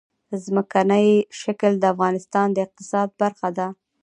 ځمکنی شکل د افغانستان د اقتصاد برخه ده.